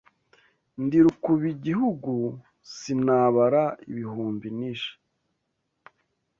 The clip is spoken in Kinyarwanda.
Ndi Rukubigihugu sinabara ibihumbi nishe